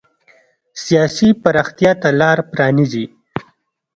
سیاسي پراختیا ته لار پرانېزي.